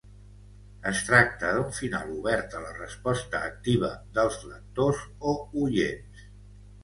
Es tracta d'un final obert a la resposta activa dels lectors o oients.